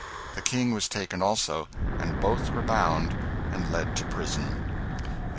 The King was taken also, and both were bound and led to prison.